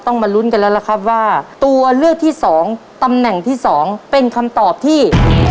มาลุ้นกันแล้วล่ะครับว่าตัวเลือกที่สองตำแหน่งที่สองเป็นคำตอบที่